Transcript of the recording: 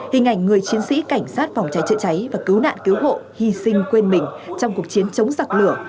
hình ảnh người chiến sĩ cảnh sát phòng cháy chữa cháy và cứu nạn cứu hộ hy sinh quên mình trong cuộc chiến chống giặc lửa